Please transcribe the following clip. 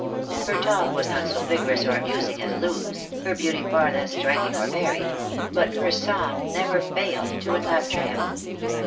Her talk was not so vigorous or amusing as Loo's, her beauty far less striking or varied; but her song never failed to enrapture him.